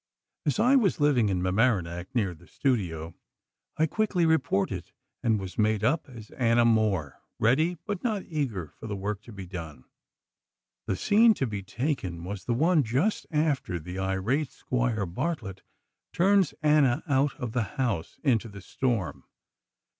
As I was living at Mamaroneck, near the studio, I quickly reported, and was made up as Anna Moore, ready but not eager for the work to be done. The scene to be taken was the one just after the irate Squire Bartlett turns Anna out of the house into the storm.